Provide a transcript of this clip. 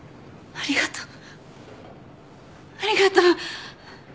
ありがとう！